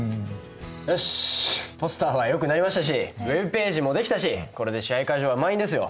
よしポスターはよくなりましたしＷｅｂページも出来たしこれで試合会場は満員ですよ。